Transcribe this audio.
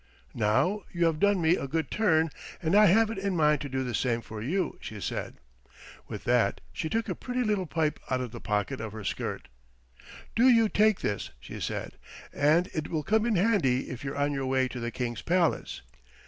"Now you have done me a good turn, and I have it in mind to do the same for you," she said. With that she took a pretty little pipe out of the pocket of her skirt. "Do you take this," she said, "and it will come in handy if you're on your way to the King's palace.